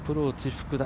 福田